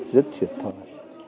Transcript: rất thiệt thòi